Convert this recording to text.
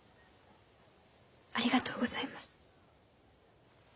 ありがとうございます。